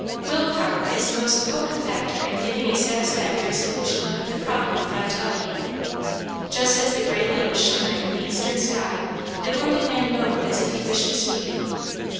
Will power is the most potent factor in giving a satisfactory solution of the problem of vitality. Just as the gray light was shimmering in the eastern sky the wounded man moaned as if he wished to speak.